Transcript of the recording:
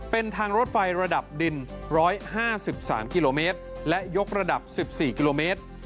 เป็นทางรถไฟระดับดิน๑๕๓กิโลเมตรและยกระดับ๑๔กิโลเมตร